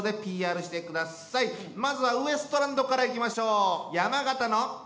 まずはウエストランドからいきましょう！